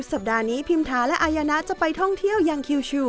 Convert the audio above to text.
สัปดาห์นี้พิมทาและอายนะจะไปท่องเที่ยวยังคิว